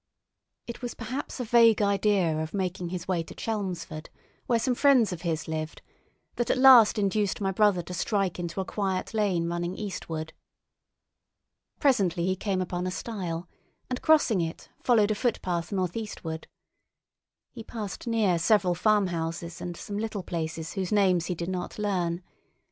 It was perhaps a vague idea of making his way to Chelmsford, where some friends of his lived, that at last induced my brother to strike into a quiet lane running eastward. Presently he came upon a stile, and, crossing it, followed a footpath northeastward. He passed near several farmhouses and some little places whose names he did not learn.